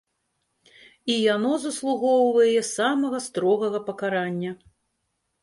І яно заслугоўвае самага строгага пакарання.